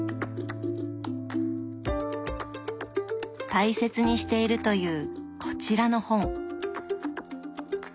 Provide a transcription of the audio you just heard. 大切にしているというこちらの本。